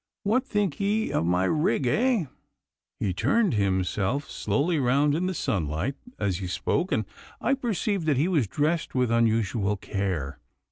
'What think ye of my rig, eh?' He turned himself slowly round in the sunlight as he spoke, and I perceived that he was dressed with unusual care.